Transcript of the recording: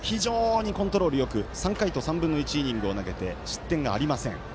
コントロールがよく３回と３分の１イニングを投げて失点がありません。